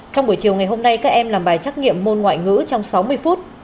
trong buổi chiều ngày hôm nay các em làm bài trắc nghiệm môn ngoại ngữ trong sáu mươi phút